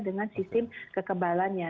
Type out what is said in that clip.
dengan sistem kekebalannya